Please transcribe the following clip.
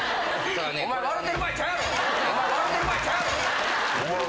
お前ワロてる場合ちゃうやろ！